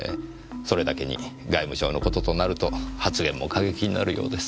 それだけに外務省の事となると発言も過激になるようです。